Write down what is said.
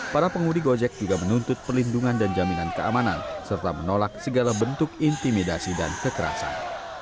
para pengumudi gojek juga menuntut perlindungan dan jaminan keamanan serta menolak segala bentuk intimidasi dan kekerasan